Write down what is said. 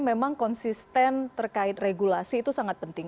memang konsisten terkait regulasi itu sangat penting